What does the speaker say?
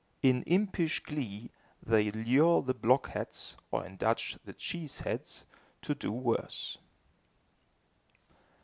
In impish glee, they lure the blockheads, or in Dutch, the "cheese heads," to do worse.